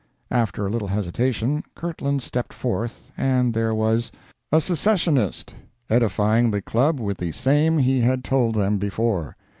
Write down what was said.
After a little hesitation, Kirtland stepped forth, and there was A SECCESSIONIST edifying the Club with the same he had told them before.